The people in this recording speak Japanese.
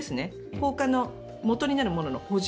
交換のもとになるものの補充。